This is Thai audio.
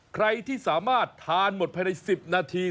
ใครที่สามารถทานหมดภายใน๑๐นาที